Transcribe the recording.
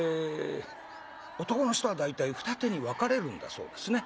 男の人は大体二手に分かれるんだそうですね。